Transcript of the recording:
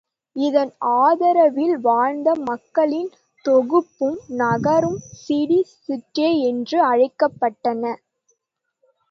இதன் ஆதரவில் வாழ்ந்த மக்களின் தொகுப்பும் நகரும் சிடி ஸ்டேட் என்று அழைக்கப்பட்டன.